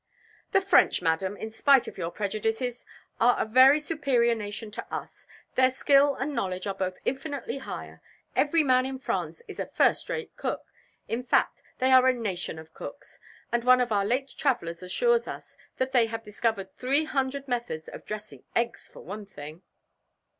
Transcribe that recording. "The French, madam, in spite of your prejudices, are a very superior nation to us. Their skill and knowledge are both infinitely higher. Every man in France is a first rate cook in fact, they are a nation of cooks; and one of our late travellers assures us that they have discovered three hundred methods of dressing eggs, for one thing."